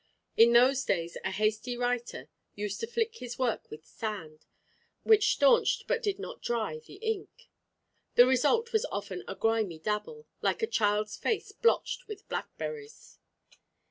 In those days a hasty writer used to flick his work with sand, which stanched but did not dry the ink. The result was often a grimy dabble, like a child's face blotched with blackberries.